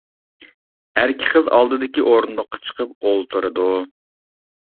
ئەركە قىز ئالدىدىكى ئورۇندۇققا چىقىپ ئولتۇرىدۇ.